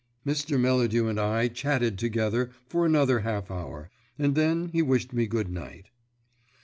Mr. Melladew and I chatted together for another half hour, and then he wished me good night.